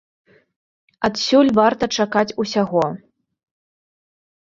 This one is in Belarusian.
Адсюль варта чакаць усяго.